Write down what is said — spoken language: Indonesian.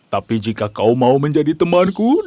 tapi jika kau mau menjadi temanku